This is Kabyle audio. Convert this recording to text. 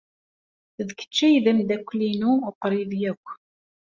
D kečč ay d ameddakel-inu uqrib akk.